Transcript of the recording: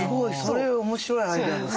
それ面白いアイデアですね。